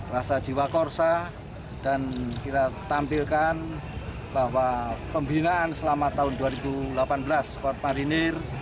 rasa jiwa korsa dan kita tampilkan bahwa pembinaan selama tahun dua ribu delapan belas sport marinir